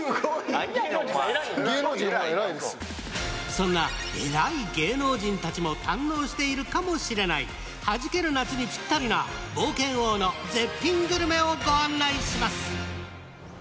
そんな偉い芸能人たちも堪能しているかもしれないはじける夏にぴったりな冒険王の絶品グルメをご案内します。